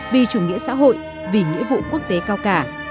vì chủ nghĩa xã hội vì nghĩa vụ quốc tế cao cả